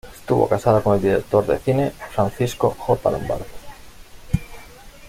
Estuvo casada con el director de cine Francisco J. Lombardi.